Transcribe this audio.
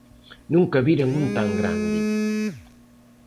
Nunca viran un tan grande.